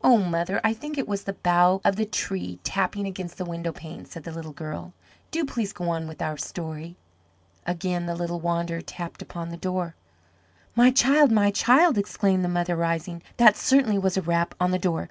"Oh, mother, I think it was the bough of the tree tapping against the window pane," said the little girl. "Do please go on with our story." Again the little wanderer tapped upon the door. "My child, my child," exclaimed the mother, rising, "that certainly was a rap on the door.